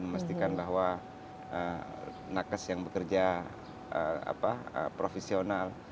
memastikan bahwa nakes yang bekerja profesional